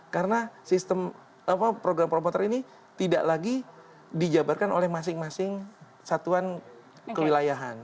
karena sistem program promoter ini tidak lagi dijabarkan oleh masing masing satuan kewilayahan